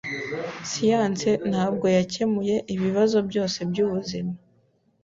Siyanse ntabwo yakemuye ibibazo byose byubuzima.